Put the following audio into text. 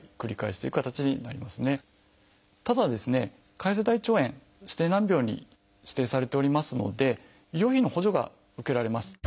潰瘍性大腸炎指定難病に指定されておりますので医療費の補助が受けられます。